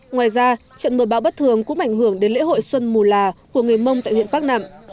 ngoài ra trận mưa bão bất thường cũng ảnh hưởng đến lễ hội xuân mù là của người mông tại huyện bắc nạm